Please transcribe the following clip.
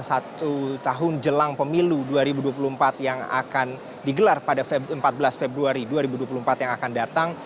satu tahun jelang pemilu dua ribu dua puluh empat yang akan digelar pada empat belas februari dua ribu dua puluh empat yang akan datang